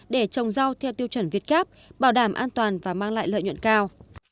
để trồng rau theo tiêu chuẩn việt gáp bảo đảm an toàn và mang lại lợi nhuận cao